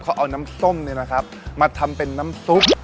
เขาเอาน้ำส้มนี่นะครับมาทำเป็นน้ำซุป